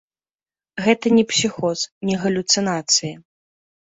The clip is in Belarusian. Гэта не псіхоз, не галюцынацыі.